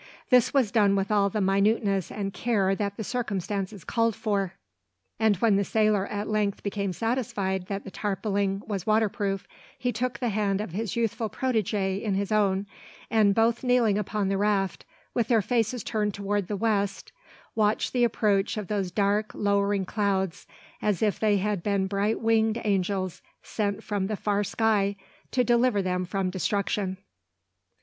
This was done with all the minuteness and care that the circumstances called for; and when the sailor at length became satisfied that the tarpauling was waterproof, he took the hand of his youthful protege in his own, and both kneeling upon the raft, with their faces turned towards the west watched the approach of those dark, lowering clouds, as if they had been bright winged angels sent from the far sky to deliver them from destruction.